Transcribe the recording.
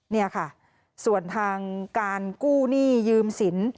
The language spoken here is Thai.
นี่ค่ะส่วนทางการกู้หนี้ยืมสิน